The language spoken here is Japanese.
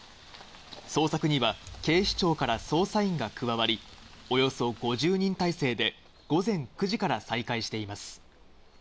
捜索には警視庁から捜査員が加わり、およそ５０人態勢で午前９時から再開しています。